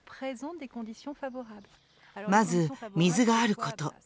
まず水があること。